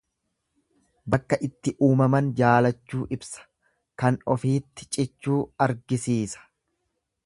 Bakka itti uumaman jaalachuu ibsa, kan ofiitti cichuu argisiisa.